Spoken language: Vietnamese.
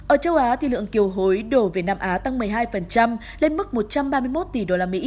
ở châu á lượng kiều hối đổ về nam á tăng một mươi hai lên mức một trăm ba mươi một tỷ usd